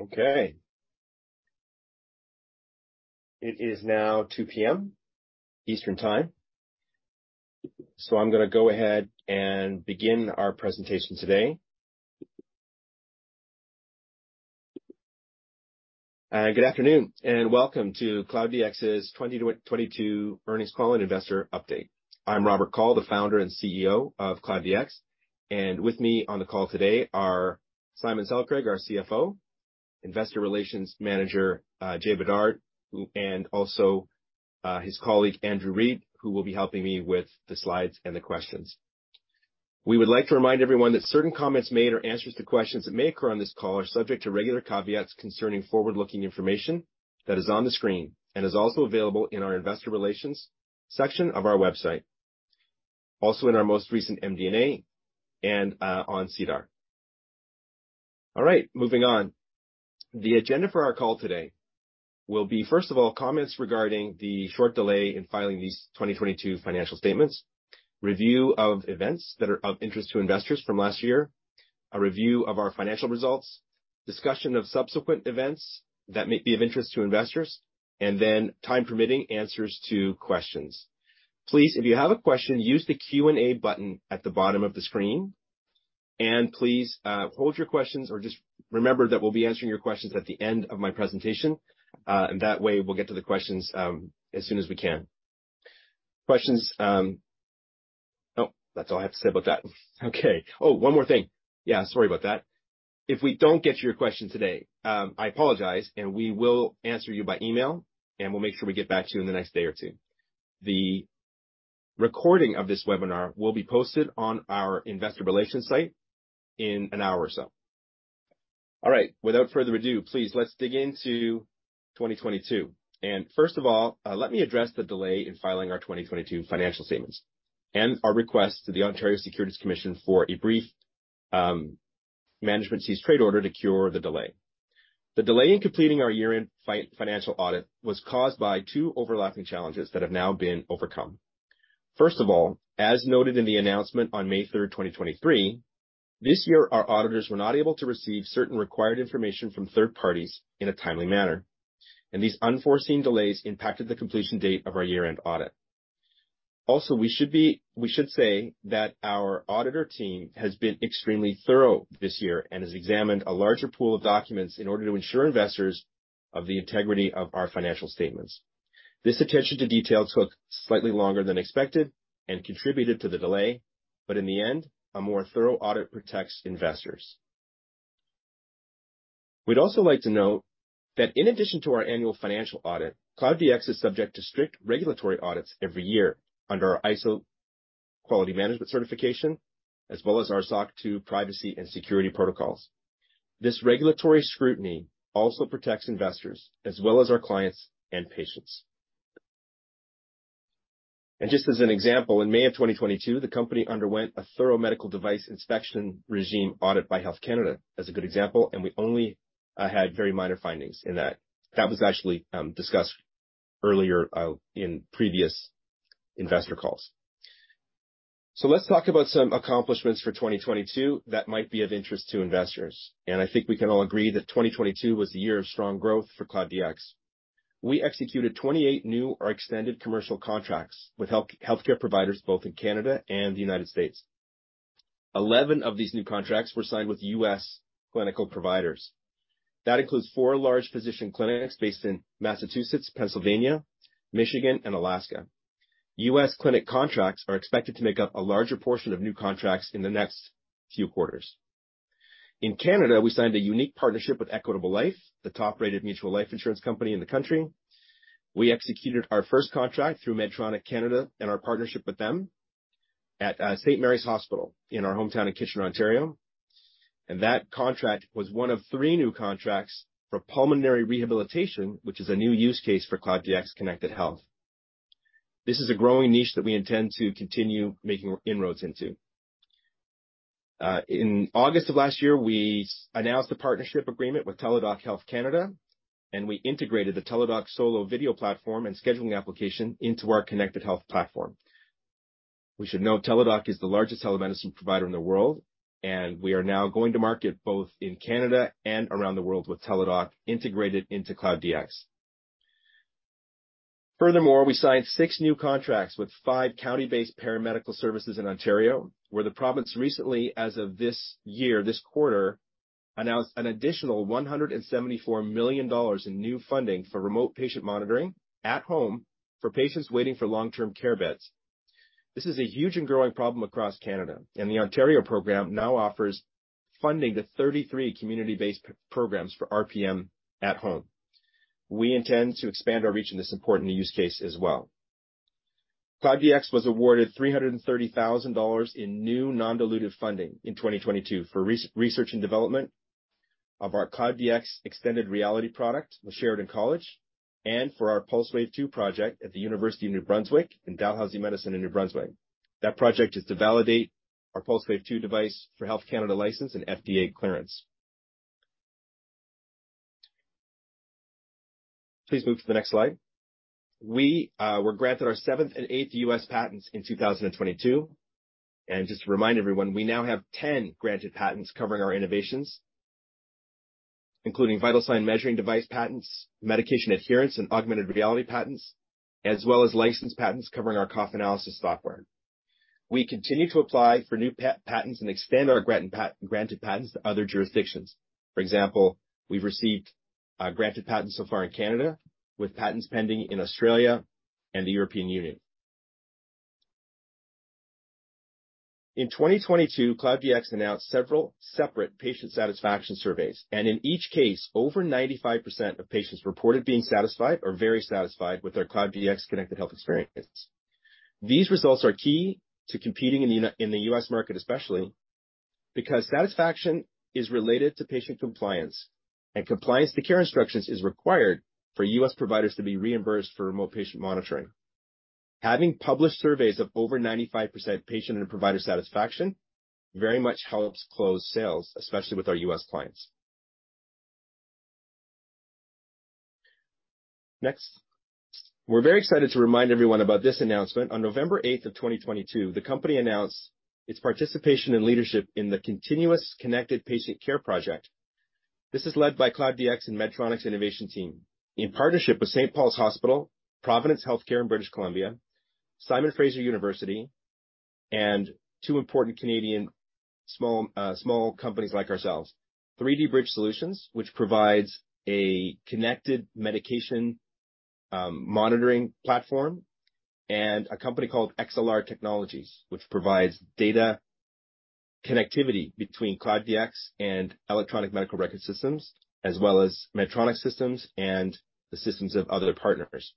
Okay. It is now 2:00 P.M. Eastern Time. I'm gonna go ahead and begin our presentation today. Good afternoon, and welcome to Cloud DX's 2022 earnings call and investor update. I'm Robert Kaul, the Founder and CEO of Cloud DX, and with me on the call today are Simon Selkrig, our CFO, Investor Relations Manager, Jay Bedard, and also his colleague, Andrew Reed, who will be helping me with the slides and the questions. We would like to remind everyone that certain comments made or answers to questions that may occur on this call are subject to regular caveats concerning forward-looking information that is on the screen and is also available in our investor relations section of our website, also in our most recent MD&A and on SEDAR. All right, moving on. The agenda for our call today will be, first of all, comments regarding the short delay in filing these 2022 financial statements, review of events that are of interest to investors from last year, a review of our financial results, discussion of subsequent events that may be of interest to investors, and then time permitting, answers to questions. Please, if you have a question, use the Q&A button at the bottom of the screen. Please hold your questions or just remember that we'll be answering your questions at the end of my presentation, and that way we'll get to the questions as soon as we can. Questions. Nope, that's all I have to say about that. Okay. One more thing. Sorry about that. If we don't get to your question today, I apologize. We will answer you by email. We'll make sure we get back to you in the next day or two. The recording of this webinar will be posted on our investor relations site in an hour or so. All right. Without further ado, please, let's dig into 2022. First of all, let me address the delay in filing our 2022 financial statements and our request to the Ontario Securities Commission for a brief management cease trade order to cure the delay. The delay in completing our year-end financial audit was caused by two overlapping challenges that have now been overcome. First of all, as noted in the announcement on May 3, 2023, this year our auditors were not able to receive certain required information from third parties in a timely manner. These unforeseen delays impacted the completion date of our year-end audit. We should say that our auditor team has been extremely thorough this year and has examined a larger pool of documents in order to assure investors of the integrity of our financial statements. This attention to detail took slightly longer than expected and contributed to the delay. In the end, a more thorough audit protects investors. We'd also like to note that in addition to our annual financial audit, Cloud DX is subject to strict regulatory audits every year under our ISO quality management certification as well as our SOC 2 privacy and security protocols. This regulatory scrutiny also protects investors as well as our clients and patients. Just as an example, in May of 2022, the company underwent a thorough medical device inspection regime audit by Health Canada as a good example, and we only had very minor findings in that. That was actually discussed earlier in previous investor calls. Let's talk about some accomplishments for 2022 that might be of interest to investors. I think we can all agree that 2022 was a year of strong growth for Cloud DX. We executed 28 new or extended commercial contracts with health, healthcare providers both in Canada and the U.S. 11 of these new contracts were signed with U.S. clinical providers. That includes four large physician clinics based in Massachusetts, Pennsylvania, Michigan, and Alaska. U.S. clinic contracts are expected to make up a larger portion of new contracts in the next few quarters. In Canada, we signed a unique partnership with Equitable Life, the top-rated mutual life insurance company in the country. We executed our first contract through Medtronic Canada and our partnership with them at St. Mary's Hospital in our hometown of Kitchener, Ontario. That contract was one of three new contracts for pulmonary rehabilitation, which is a new use case for Cloud DX Connected Health. This is a growing niche that we intend to continue making inroads into. In August of last year, we announced a partnership agreement with Teladoc Health Canada, and we integrated the Teladoc Solo video platform and scheduling application into our connected health platform. We should note Teladoc is the largest telemedicine provider in the world. We are now going to market both in Canada and around the world with Teladoc integrated into Cloud DX. We signed six new contracts with five county-based paramedical services in Ontario, where the province recently, as of this year, this quarter, announced an additional 174 million dollars in new funding for remote patient monitoring at home for patients waiting for long-term care beds. This is a huge and growing problem across Canada. The Ontario program now offers funding to 33 community-based programs for RPM at home. We intend to expand our reach in this important use case as well. Cloud DX was awarded 330,000 dollars in new non-dilutive funding in 2022 for research and development of our Cloud DX Extended Reality product with Sheridan College and for our Pulsewave II project at the University of New Brunswick and Dalhousie Medicine New Brunswick in New Brunswick. That project is to validate our Pulsewave II device for Health Canada license and FDA clearance. Please move to the next slide. We were granted our seventh and eighth U.S. patents in 2022. Just to remind everyone, we now have 10 granted patents covering our innovations, including vital sign measuring device patents, medication adherence and augmented reality patents, as well as licensed patents covering our cough analysis software. We continue to apply for new patents and expand our granted patents to other jurisdictions. For example, we've received granted patents so far in Canada with patents pending in Australia and the European Union. In 2022, Cloud DX announced several separate patient satisfaction surveys. In each case, over 95% of patients reported being satisfied or very satisfied with their Cloud DX Connected Health experiences. These results are key to competing in the U.S. market, especially because satisfaction is related to patient compliance. Compliance to care instructions is required for U.S. providers to be reimbursed for remote patient monitoring. Having published surveys of over 95% patient and provider satisfaction very much helps close sales, especially with our U.S. clients. Next. We're very excited to remind everyone about this announcement. On November 8th of 2022, the company announced its participation and leadership in the Continuous Connected Patient Care project. This is led by Cloud DX and Medtronic's innovation team in partnership with St. Paul's Hospital, Providence Health Care in British Columbia, Simon Fraser University, and two important Canadian small companies like ourselves. 3D Bridge Solutions, which provides a connected medication, monitoring platform, and a company called XLR Technology, which provides data connectivity between Cloud DX and electronic medical record systems, as well as Medtronic systems and the systems of other partners.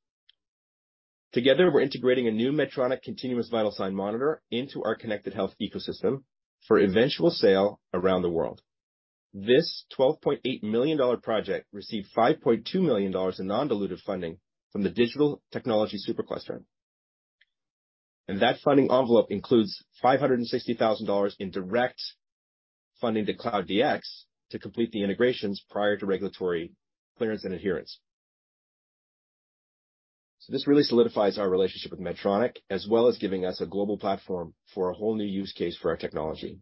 Together, we're integrating a new Medtronic continuous vital sign monitor into our connected health ecosystem for eventual sale around the world. This $12.8 million project received $5.2 million in non-dilutive funding from the Digital Technology Supercluster. That funding envelope includes $560,000 in direct funding to Cloud DX to complete the integrations prior to regulatory clearance and adherence. This really solidifies our relationship with Medtronic, as well as giving us a global platform for a whole new use case for our technology.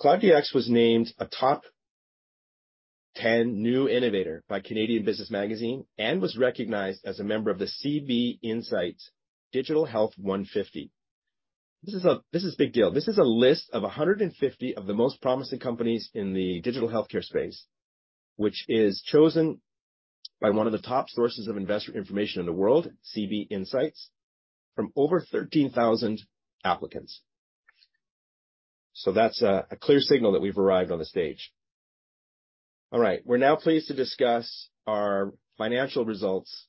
Cloud DX was named a top 10 new innovator by Canadian Business and was recognized as a member of the CB Insights Digital Health 150. This is a big deal. This is a list of 150 of the most promising companies in the digital healthcare space, which is chosen by one of the top sources of investor information in the world, CB Insights, from over 13,000 applicants. That's a clear signal that we've arrived on the stage. All right, we're now pleased to discuss our financial results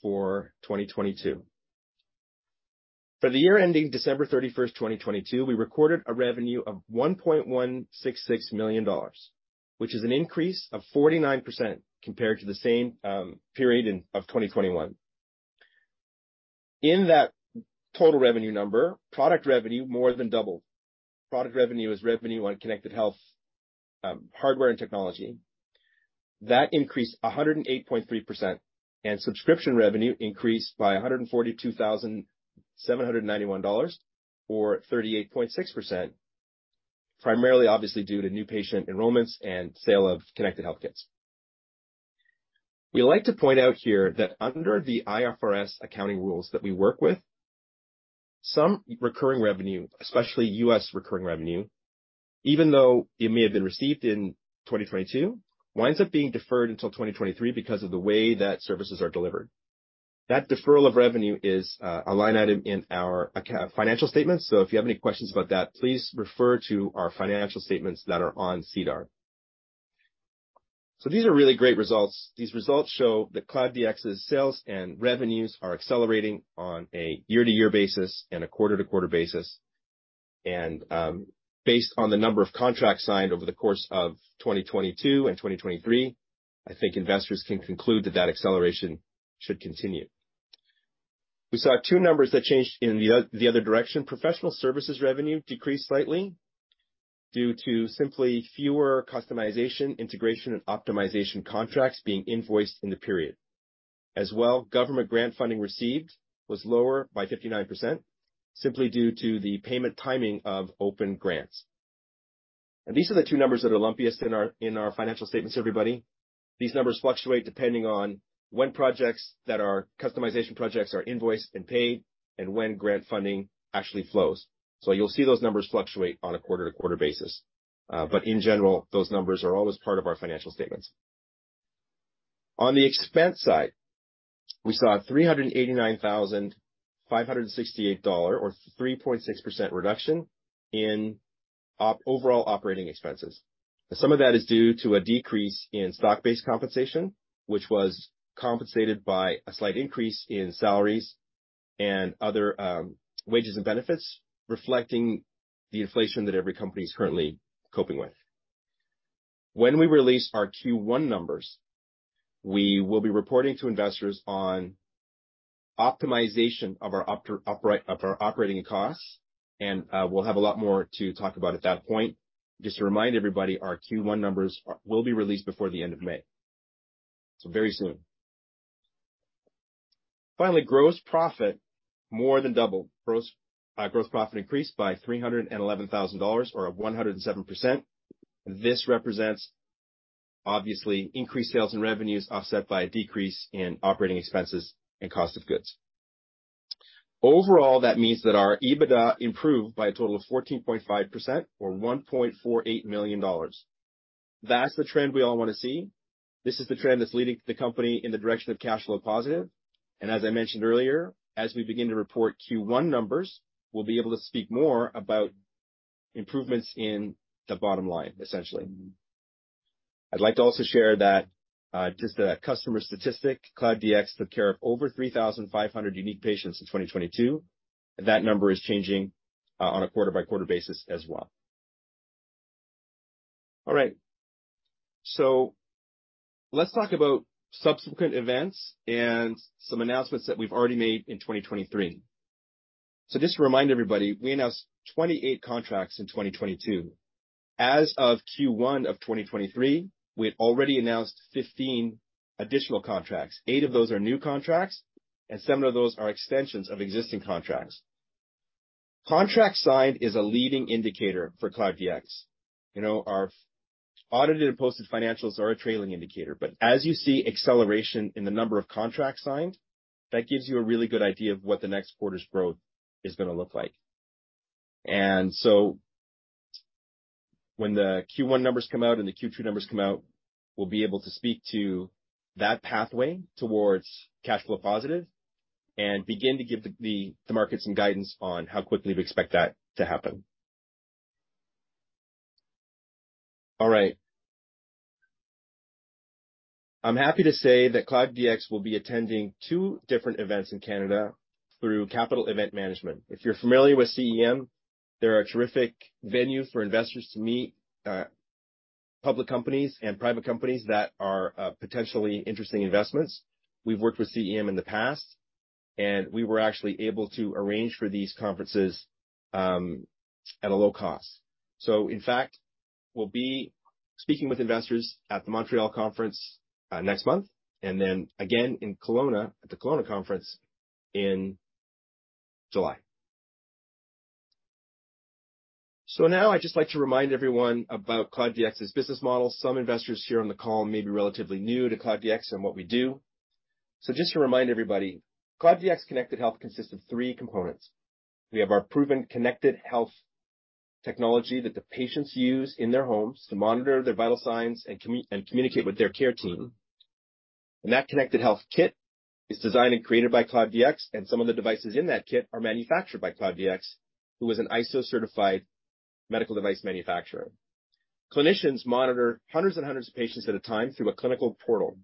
for 2022. For the year ending December 31, 2022, we recorded a revenue of 1.166 million dollars, which is an increase of 49% compared to the same period in, of 2021. In that total revenue number, product revenue more than doubled. Product revenue is revenue on Connected Health hardware and technology. That increased 108.3%, and subscription revenue increased by 142,791 dollars, or 38.6%, primarily obviously due to new patient enrollments and sale of Connected Health kits. We like to point out here that under the IFRS accounting rules that we work with, some recurring revenue, especially U.S. recurring revenue, even though it may have been received in 2022, winds up being deferred until 2023 because of the way that services are delivered. That deferral of revenue is a line item in our financial statements, so if you have any questions about that, please refer to our financial statements that are on SEDAR. These are really great results. These results show that Cloud DX's sales and revenues are accelerating on a year-to-year basis and a quarter-to-quarter basis. Based on the number of contracts signed over the course of 2022 and 2023, I think investors can conclude that that acceleration should continue. We saw two numbers that changed in the other direction. Professional services revenue decreased slightly due to simply fewer customization, integration, and optimization contracts being invoiced in the period. Government grant funding received was lower by 59% simply due to the payment timing of open grants. These are the two numbers that are lumpiest in our financial statements, everybody. These numbers fluctuate depending on when projects that are customization projects are invoiced and paid and when grant funding actually flows. You'll see those numbers fluctuate on a quarter-to-quarter basis. In general, those numbers are always part of our financial statements. On the expense side, we saw 389,568 dollar or 3.6% reduction in overall operating expenses. Some of that is due to a decrease in stock-based compensation, which was compensated by a slight increase in salaries and other wages and benefits reflecting the inflation that every company is currently coping with. When we release our Q1 numbers, we will be reporting to investors on optimization of our operating costs, and we'll have a lot more to talk about at that point. Just to remind everybody, our Q1 numbers will be released before the end of May. Very soon. Finally, gross profit more than doubled. Gross profit increased by 311,000 dollars or 107%. This represents obviously increased sales and revenues offset by a decrease in operating expenses and cost of goods. Overall, that means that our EBITDA improved by a total of 14.5% or 1.48 million dollars. That's the trend we all wanna see. This is the trend that's leading the company in the direction of cash flow positive. As I mentioned earlier, as we begin to report Q1 numbers, we'll be able to speak more about improvements in the bottom line, essentially. I'd like to also share that, just a customer statistic, Cloud DX took care of over 3,500 unique patients in 2022. That number is changing, on a quarter by quarter basis as well. All right. Let's talk about subsequent events and some announcements that we've already made in 2023. Just to remind everybody, we announced 28 contracts in 2022. As of Q1 of 2023, we had already announced 15 additional contracts. Eight of those are new contracts, and seven of those are extensions of existing contracts. Contract signed is a leading indicator for Cloud DX. You know, our audited and posted financials are a trailing indicator. As you see acceleration in the number of contracts signed, that gives you a really good idea of what the next quarter's growth is gonna look like. When the Q1 numbers come out and the Q2 numbers come out, we'll be able to speak to that pathway towards cash flow positive and begin to give the market some guidance on how quickly we expect that to happen. All right. I'm happy to say that Cloud DX will be attending two different events in Canada through Capital Event Management. If you're familiar with CEM, they're a terrific venue for investors to meet public companies and private companies that are potentially interesting investments. We've worked with CEM in the past, and we were actually able to arrange for these conferences at a low cost. In fact, we'll be speaking with investors at the Montreal conference next month and then again in Kelowna at the Kelowna conference in July. Now I'd just like to remind everyone about Cloud DX's business model. Some investors here on the call may be relatively new to Cloud DX and what we do. Just to remind everybody, Cloud DX Connected Health consists of 3 components. We have our proven connected health technology that the patients use in their homes to monitor their vital signs and communicate with their care team. That connected health kit is designed and created by Cloud DX, and some of the devices in that kit are manufactured by Cloud DX, who is an ISO-certified medical device manufacturer. Clinicians monitor hundreds of patients at a time through a clinical portal.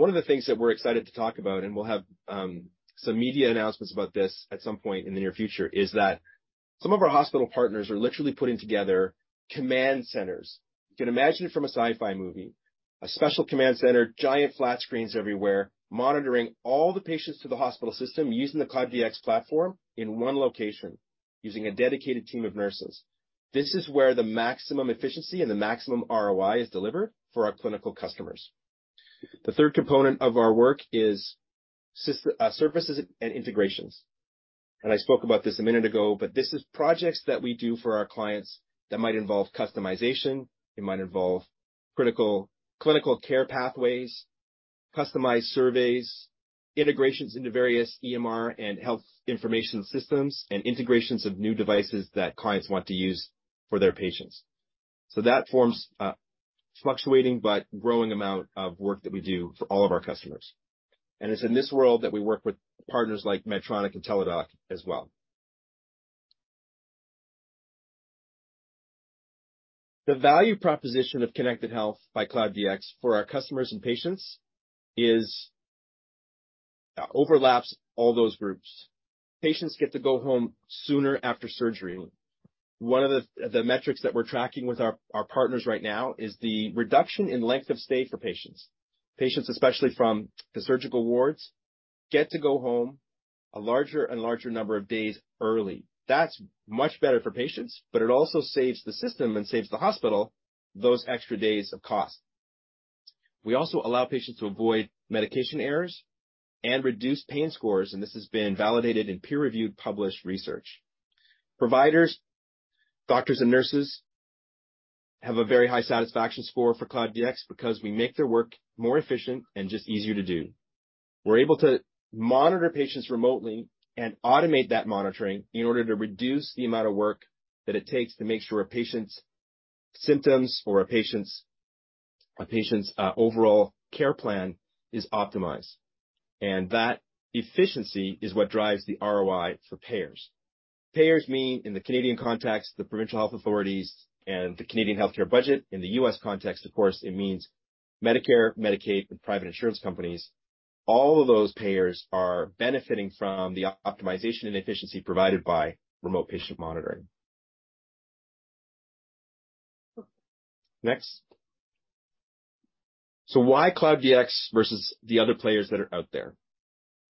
One of the things that we're excited to talk about, and we'll have some media announcements about this at some point in the near future, is that some of our hospital partners are literally putting together command centers. You can imagine it from a sci-fi movie. A special command center, giant flat screens everywhere, monitoring all the patients to the hospital system using the Cloud DX platform in one location using a dedicated team of nurses. This is where the maximum efficiency and the maximum ROI is delivered for our clinical customers. The third component of our work is services and integrations. I spoke about this a minute ago, but this is projects that we do for our clients that might involve customization, it might involve critical clinical care pathways, customized surveys, integrations into various EMR and health information systems, and integrations of new devices that clients want to use for their patients. That forms a fluctuating but growing amount of work that we do for all of our customers. It's in this world that we work with partners like Medtronic and Teladoc as well. The value proposition of Connected Health by Cloud DX for our customers and patients is. Overlaps all those groups. Patients get to go home sooner after surgery. One of the metrics that we're tracking with our partners right now is the reduction in length of stay for patients. Patients, especially from the surgical wards, get to go home a larger and larger number of days early. That's much better for patients, but it also saves the system and saves the hospital those extra days of cost. We also allow patients to avoid medication errors and reduce pain scores, and this has been validated in peer-reviewed published research. Providers, doctors and nurses have a very high satisfaction score for Cloud DX because we make their work more efficient and just easier to do. We're able to monitor patients remotely and automate that monitoring in order to reduce the amount of work that it takes to make sure a patient's symptoms or a patient's overall care plan is optimized. That efficiency is what drives the ROI for payers. Payers mean in the Canadian context, the provincial health authorities and the Canadian healthcare budget. In the U.S. context, of course, it means Medicare, Medicaid, and private insurance companies. All of those payers are benefiting from the optimization and efficiency provided by remote patient monitoring. Next. Why Cloud DX versus the other players that are out there?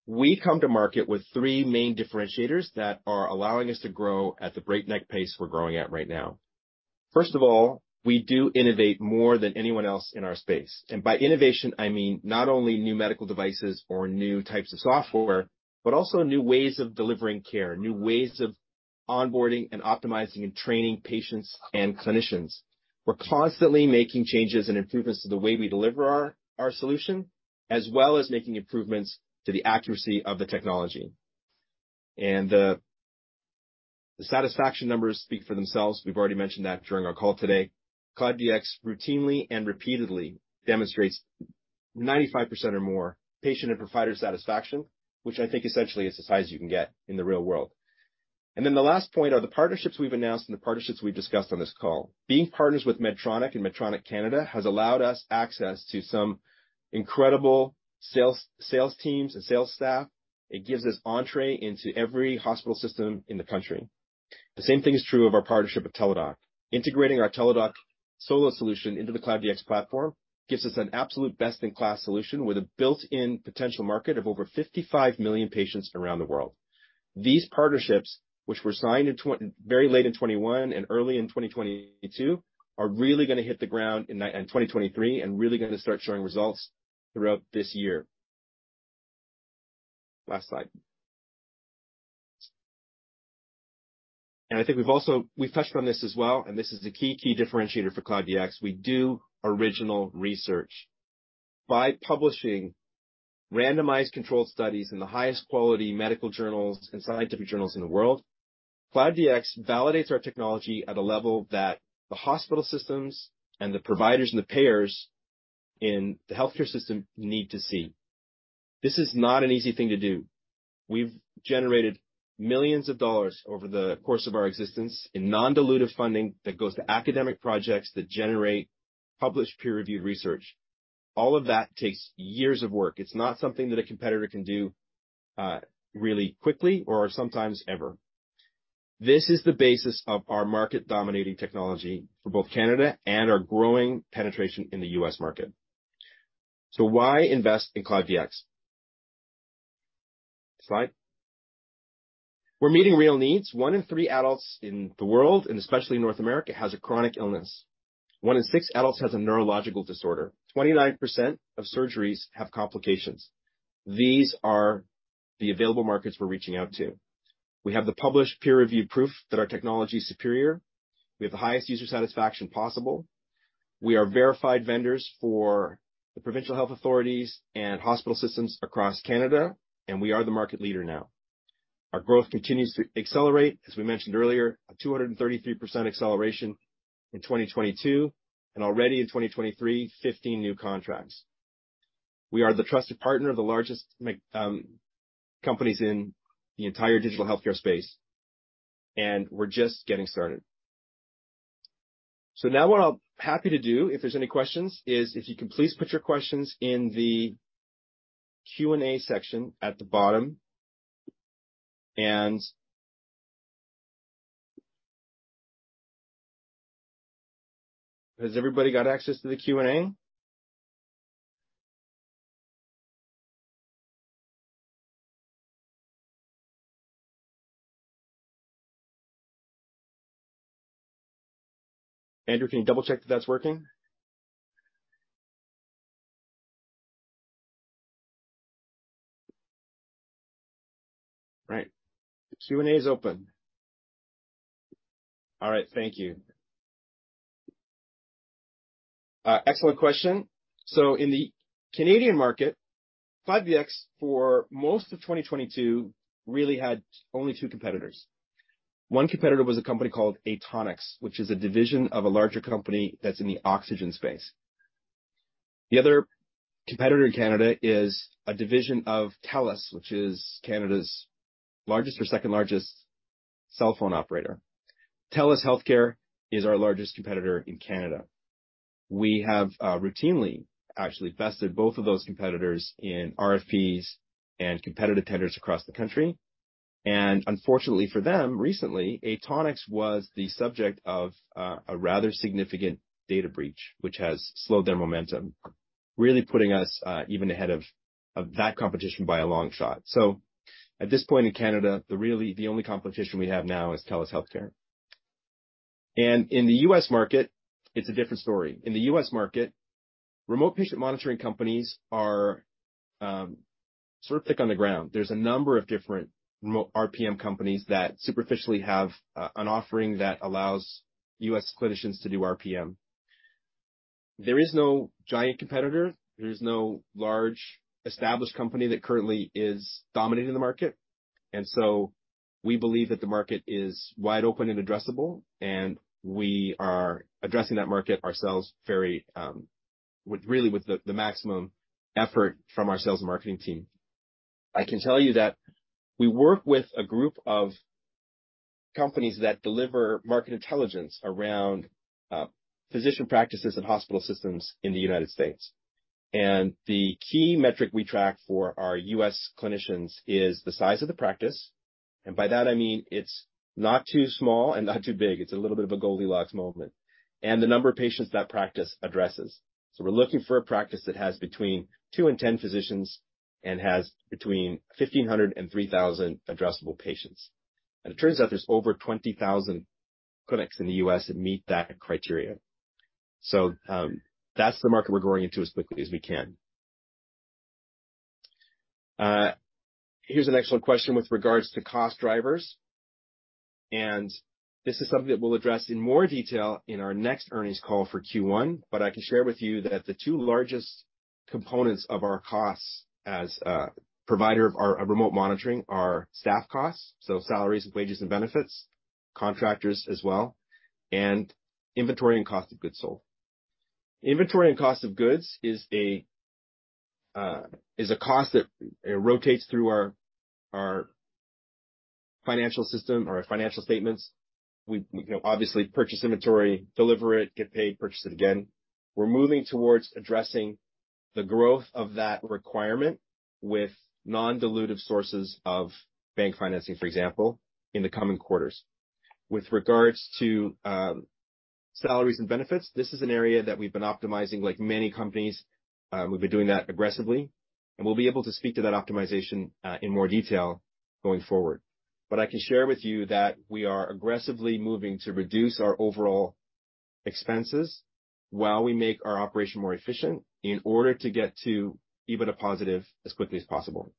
We come to market with three main differentiators that are allowing us to grow at the breakneck pace we're growing at right now. First of all, we do innovate more than anyone else in our space. By innovation, I mean not only new medical devices or new types of software, but also new ways of delivering care, new ways of onboarding and optimizing and training patients and clinicians. We're constantly making changes and improvements to the way we deliver our solution, as well as making improvements to the accuracy of the technology. The satisfaction numbers speak for themselves. We've already mentioned that during our call today. Cloud DX routinely and repeatedly demonstrates 95% or more patient and provider satisfaction, which I think essentially is as high as you can get in the real world. The last point are the partnerships we've announced and the partnerships we've discussed on this call. Being partners with Medtronic and Medtronic Canada has allowed us access to some incredible sales teams and sales staff. It gives us entree into every hospital system in the country. The same thing is true of our partnership with Teladoc. Integrating our Teladoc Solo solution into the Cloud DX platform gives us an absolute best in class solution with a built-in potential market of over 55 million patients around the world. These partnerships, which were signed very late in 2021 and early in 2022, are really gonna hit the ground in 2023 and really gonna start showing results throughout this year. Last slide. I think we've also touched on this as well, and this is the key differentiator for Cloud DX. We do original research. By publishing randomized controlled studies in the highest quality medical journals and scientific journals in the world, Cloud DX validates our technology at a level that the hospital systems and the providers and the payers in the healthcare system need to see. This is not an easy thing to do. We've generated $millions over the course of our existence in non-dilutive funding that goes to academic projects that generate published peer-reviewed research. All of that takes years of work. It's not something that a competitor can do, really quickly or sometimes ever. This is the basis of our market-dominating technology for both Canada and our growing penetration in the U.S. market. Why invest in Cloud DX? Slide. We're meeting real needs. One in three adults in the world, and especially North America, has a chronic illness. One in six adults has a neurological disorder. 29% of surgeries have complications. These are the available markets we're reaching out to. We have the published peer-reviewed proof that our technology is superior. We have the highest user satisfaction possible. We are verified vendors for the provincial health authorities and hospital systems across Canada, and we are the market leader now. Our growth continues to accelerate. As we mentioned earlier, a 233% acceleration in 2022 and already in 2023, 15 new contracts. We are the trusted partner of the largest med companies in the entire digital healthcare space. We're just getting started. Now what I'm happy to do, if there's any questions, is if you can please put your questions in the Q&A section at the bottom. Has everybody got access to the Q&A? Andrew, can you double check that that's working? Right. The Q&A is open. All right. Thank you. Excellent question. In the Canadian market, Cloud DX for most of 2022 really had only two competitors. One competitor was a company called Aetonix, which is a division of a larger company that's in the oxygen space. The other competitor in Canada is a division of Telus, which is Canada's largest or second largest cell phone operator. Telus Health is our largest competitor in Canada. We have routinely actually bested both of those competitors in RFPs and competitive tenders across the country. Unfortunately for them, recently, Aetonix was the subject of a rather significant data breach, which has slowed their momentum, really putting us even ahead of that competition by a long shot. At this point in Canada, the only competition we have now is Telus Health. In the U.S. market, it's a different story. In the U.S. market, remote patient monitoring companies are sort of thick on the ground. There's a number of different remote RPM companies that superficially have an offering that allows U.S. clinicians to do RPM. There is no giant competitor. There is no large established company that currently is dominating the market. We believe that the market is wide open and addressable, and we are addressing that market ourselves very, with really the maximum effort from our sales and marketing team. I can tell you that we work with a group of companies that deliver market intelligence around physician practices and hospital systems in the United States. The key metric we track for our U.S. clinicians is the size of the practice. By that I mean it's not too small and not too big. It's a little bit of a Goldilocks moment and the number of patients that practice addresses. We're looking for a practice that has between two and 10 physicians and has between 1,500 and 3,000 addressable patients. It turns out there's over 20,000 clinics in the U.S. that meet that criteria. That's the market we're growing into as quickly as we can. Here's an excellent question with regards to cost drivers, and this is something that we'll address in more detail in our next earnings call for Q1. I can share with you that the two largest components of our costs as a provider of our remote monitoring are staff costs, so salaries, wages, and benefits, contractors as well, and inventory and cost of goods sold. Inventory and cost of goods is a cost that rotates through our financial system or our financial statements. We obviously purchase inventory, deliver it, get paid, purchase it again. We're moving towards addressing the growth of that requirement with non-dilutive sources of bank financing, for example, in the coming quarters. With regards to salaries and benefits, this is an area that we've been optimizing like many companies. We've been doing that aggressively, we'll be able to speak to that optimization in more detail going forward. I can share with you that we are aggressively moving to reduce our overall expenses while we make our operation more efficient in order to get to EBITDA positive as quickly as possible.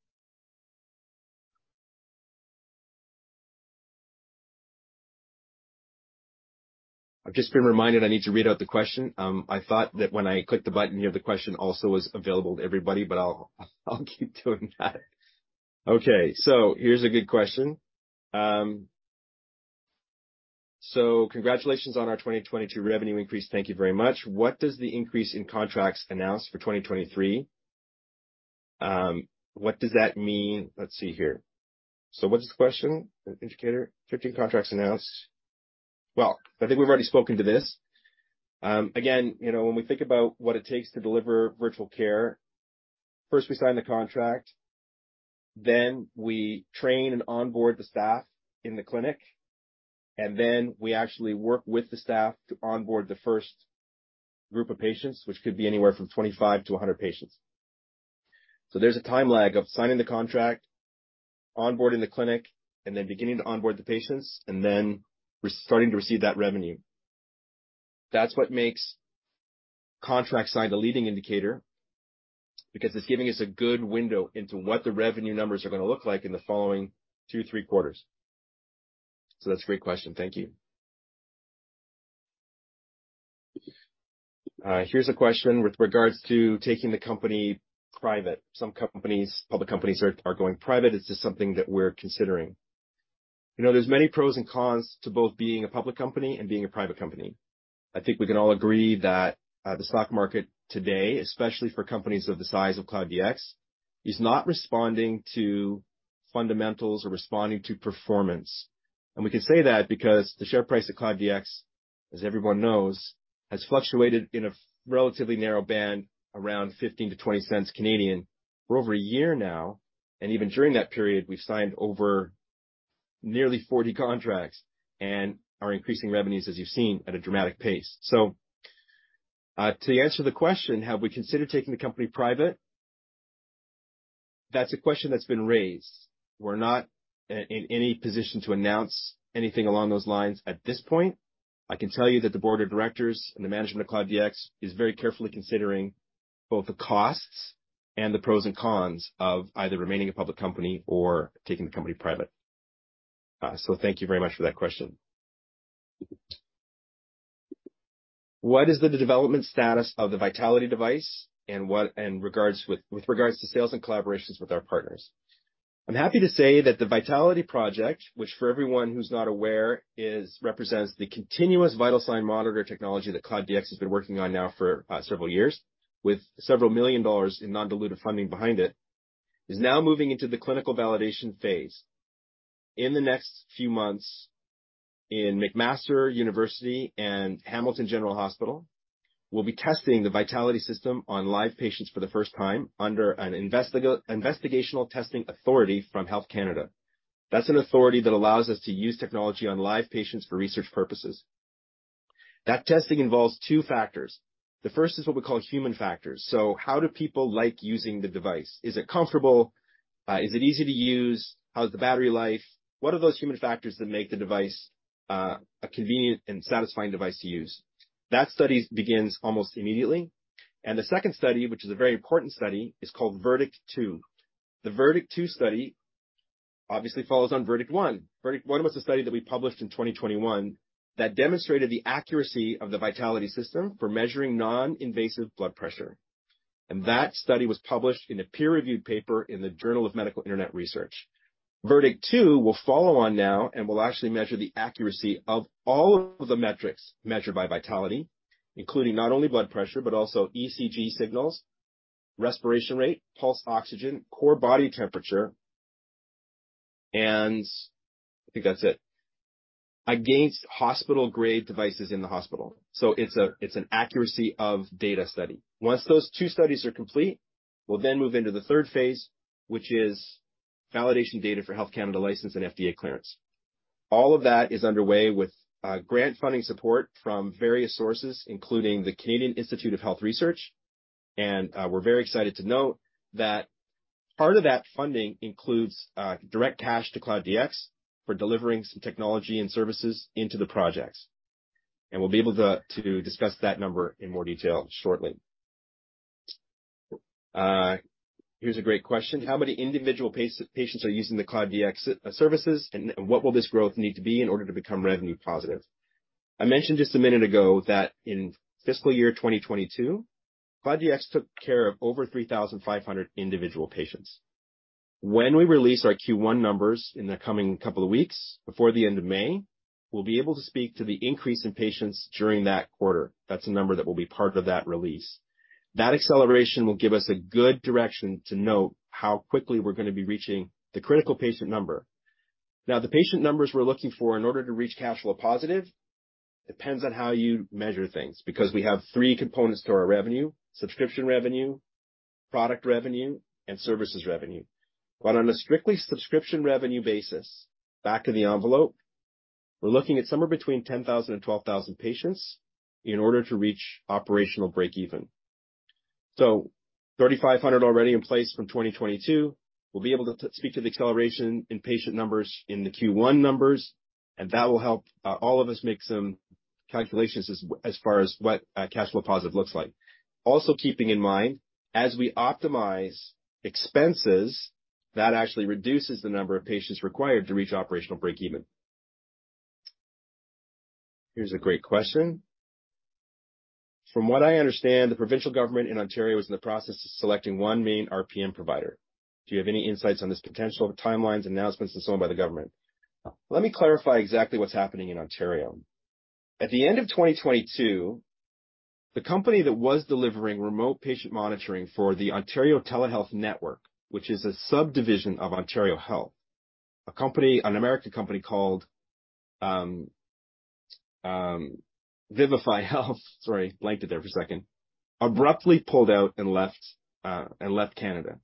I've just been reminded I need to read out the question. I thought that when I clicked the button here, the question also was available to everybody, I'll keep doing that. Okay, here's a good question. Congratulations on our 2022 revenue increase. Thank you very much. What does the increase in contracts announce for 2023? What does that mean? Let's see here. What's the question? Indicator. 15 contracts announced. Well, I think we've already spoken to this. Again, you know, when we think about what it takes to deliver virtual care, first we sign the contract, then we train and onboard the staff in the clinic, and then we actually work with the staff to onboard the first group of patients, which could be anywhere from 25-100 patients. There's a time lag of signing the contract, onboarding the clinic, and then beginning to onboard the patients, and then we're starting to receive that revenue. That's what makes contract sign a leading indicator, because it's giving us a good window into what the revenue numbers are gonna look like in the following two, three quarters. That's a great question. Thank you. Here's a question with regards to taking the company private. Public companies are going private. Is this something that we're considering? You know, there's many pros and cons to both being a public company and being a private company. I think we can all agree that the stock market today, especially for companies of the size of Cloud DX, is not responding to fundamentals or responding to performance. We can say that because the share price of Cloud DX, as everyone knows, has fluctuated in a relatively narrow band around 0.15-0.20 for over one year now. Even during that period, we've signed over nearly 40 contracts and are increasing revenues, as you've seen, at a dramatic pace. To answer the question, have we considered taking the company private? That's a question that's been raised. We're not in any position to announce anything along those lines at this point. I can tell you that the board of directors and the management of Cloud DX is very carefully considering both the costs and the pros and cons of either remaining a public company or taking the company private. Thank you very much for that question. What is the development status of the Vitaliti device and with regards to sales and collaborations with our partners? I'm happy to say that the Vitaliti project, which for everyone who's not aware, is represents the continuous vital sign monitor technology that Cloud DX has been working on now for several years, with CAD several million dollars in non-dilutive funding behind it, is now moving into the clinical validation phase. In the next few months in McMaster University and Hamilton General Hospital, we'll be testing the Vitaliti system on live patients for the first time under an investigational testing authority from Health Canada. That's an authority that allows us to use technology on live patients for research purposes. That testing involves two factors. The first is what we call human factors. So how do people like using the device? Is it comfortable? Is it easy to use? How's the battery life? What are those human factors that make the device a convenient and satisfying device to use? That study begins almost immediately. The second study, which is a very important study, is called VERDICT-2. The VERDICT-2 study obviously follows on VERDICT-1. VERDICT-1 was a study that we published in 2021 that demonstrated the accuracy of the Vitaliti system for measuring non-invasive blood pressure. That study was published in a peer-reviewed paper in the Journal of Medical Internet Research. VERDICT-2 will follow on now and will actually measure the accuracy of all of the metrics measured by Vitaliti, including not only blood pressure but also ECG signals, respiration rate, pulse oxygen, core body temperature. I think that's it. Against hospital-grade devices in the hospital. It's an accuracy of data study. Once those two studies are complete, we'll then move into the third phase, which is validation data for Health Canada license and FDA clearance. All of that is underway with grant funding support from various sources, including the Canadian Institutes of Health Research. We're very excited to note that part of that funding includes direct cash to Cloud DX for delivering some technology and services into the projects. We'll be able to discuss that number in more detail shortly. Here's a great question. How many individual patients are using the Cloud DX services, and what will this growth need to be in order to become revenue positive? I mentioned just a minute ago that in fiscal year 2022, Cloud DX took care of over 3,500 individual patients. When we release our Q1 numbers in the coming couple of weeks before the end of May, we'll be able to speak to the increase in patients during that quarter. That's a number that will be part of that release. That acceleration will give us a good direction to note how quickly we're gonna be reaching the critical patient number. The patient numbers we're looking for in order to reach cash flow positive depends on how you measure things, because we have three components to our revenue: subscription revenue, product revenue, and services revenue. On a strictly subscription revenue basis, back of the envelope, we're looking at somewhere between 10,000 and 12,000 patients in order to reach operational break even. 3,500 already in place from 2022. We'll be able to speak to the acceleration in patient numbers in the Q one numbers, and that will help all of us make some calculations as far as what cash flow positive looks like. Keeping in mind, as we optimize expenses, that actually reduces the number of patients required to reach operational break even. Here's a great question: From what I understand, the provincial government in Ontario is in the process of selecting one main RPM provider. Do you have any insights on this potential timelines, announcements, and so on by the government? Let me clarify exactly what's happening in Ontario. At the end of 2022, the company that was delivering remote patient monitoring for the Ontario Telemedicine Network, which is a subdivision of Ontario Health, an American company called Vivify Health sorry, blanked it there for a second, abruptly pulled out and left and left Canada.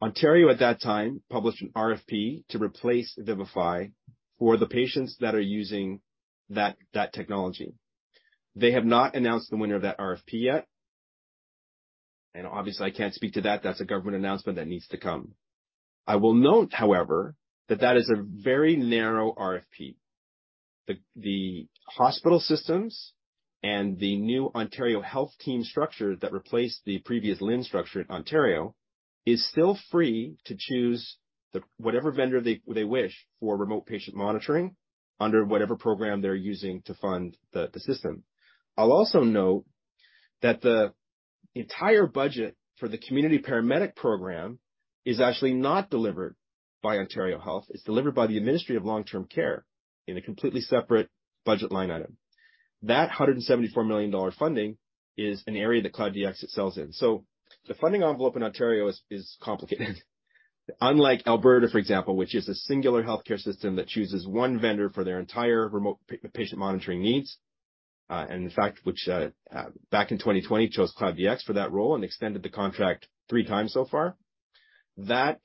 Ontario at that time published an RFP to replace Vivify for the patients that are using that technology. They have not announced the winner of that RFP yet. Obviously I can't speak to that. That's a government announcement that needs to come. I will note, however, that that is a very narrow RFP. The hospital systems and the new Ontario Health Team structure that replaced the previous LHIN structure in Ontario is still free to choose whatever vendor they wish for remote patient monitoring under whatever program they're using to fund the system. I'll also note that the entire budget for the community paramedic program is actually not delivered by Ontario Health. It's delivered by the Ministry of Long-Term Care in a completely separate budget line item. That 174 million dollar funding is an area that Cloud DX excels in. The funding envelope in Ontario is complicated. Unlike Alberta, for example, which is a singular healthcare system that chooses one vendor for their entire remote patient monitoring needs, and in fact, which back in 2020 chose Cloud DX for that role and extended the contract three times so far. That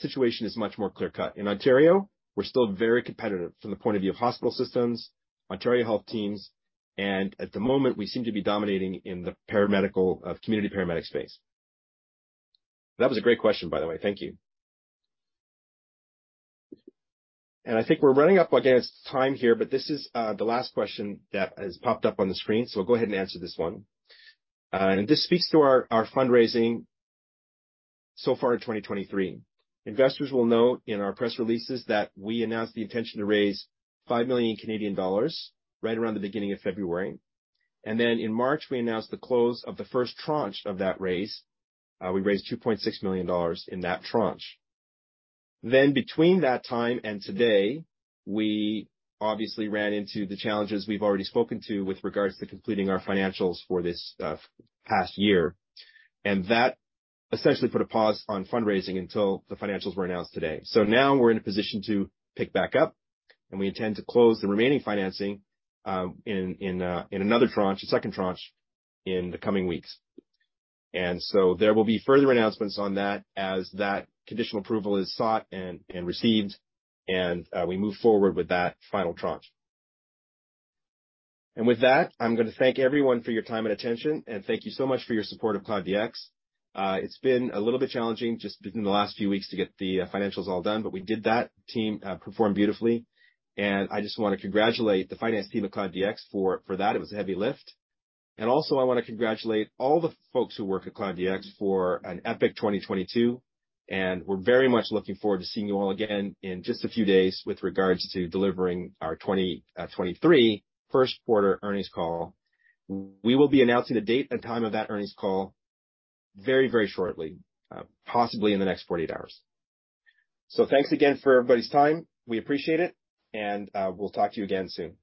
situation is much more clear cut. In Ontario, we're still very competitive from the point of view of hospital systems, Ontario Health Teams, and at the moment, we seem to be dominating in the paramedical, community paramedic space. That was a great question, by the way. Thank you. I think we're running up against time here, but this is the last question that has popped up on the screen, so I'll go ahead and answer this one. This speaks to our fundraising so far in 2023. Investors will note in our press releases that we announced the intention to raise 5 million Canadian dollars right around the beginning of February. In March, we announced the close of the first tranche of that raise. We raised 2.6 million dollars in that tranche. Between that time and today, we obviously ran into the challenges we've already spoken to with regards to completing our financials for this past year. That essentially put a pause on fundraising until the financials were announced today. Now we're in a position to pick back up, and we intend to close the remaining financing in another tranche, a second tranche in the coming weeks. There will be further announcements on that as that conditional approval is sought and received, and we move forward with that final tranche. With that, I'm gonna thank everyone for your time and attention, and thank you so much for your support of Cloud DX. It's been a little bit challenging just within the last few weeks to get the financials all done, but we did that. Team performed beautifully. I just wanna congratulate the finance team at Cloud DX for that. It was a heavy lift. Also, I wanna congratulate all the folks who work at Cloud DX for an epic 2022, and we're very much looking forward to seeing you all again in just a few days with regards to delivering our 2023 first quarter earnings call. We will be announcing a date and time of that earnings call very, very shortly, possibly in the next 48 hours. Thanks again for everybody's time. We appreciate it, and we'll talk to you again soon.